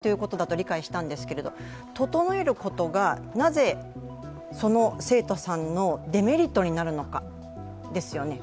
例えば、眉毛を整えてはいけないんだと理解したんですけど、整えることがなぜ、その生徒さんのデメリットになるのかですよね。